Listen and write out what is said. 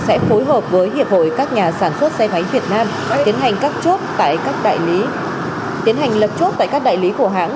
sẽ phối hợp với hiệp hội các nhà sản xuất xe máy việt nam tiến hành lập chốt tại các đại lý của hãng